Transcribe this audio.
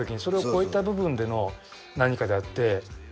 それを超えた部分での何かであって。